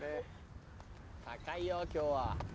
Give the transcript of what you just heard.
高いよ今日は。